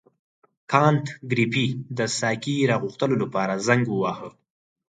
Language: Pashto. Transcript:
کانت ګریفي د ساقي د راغوښتلو لپاره زنګ وواهه.